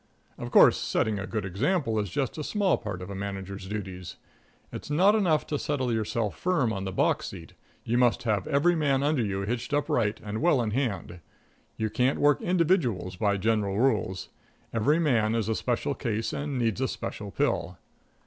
Of course, setting a good example is just a small part of a manager's duties. It's not enough to settle yourself firm on the box seat you must have every man under you hitched up right and well in hand. You can't work individuals by general rules. Every man is a special case and needs a special pill.